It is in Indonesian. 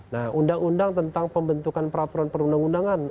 nah undang undang tentang pembentukan peraturan perundang undangan